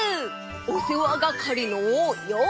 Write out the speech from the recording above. おせわがかりのようせい！